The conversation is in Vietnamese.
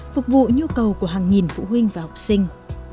phục vụ nhu cầu của hàng nghìn phụ huynh và học sinh